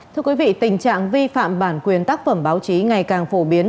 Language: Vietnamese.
thưa quý vị tình trạng vi phạm bản quyền tác phẩm báo chí ngày càng phổ biến